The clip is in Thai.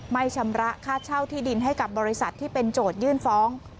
ชำระค่าเช่าที่ดินให้กับบริษัทที่เป็นโจทยื่นฟ้อง